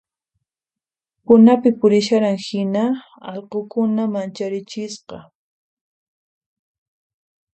Punapi purisharan hina allqukuna mancharichisqa